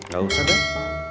gak usah dang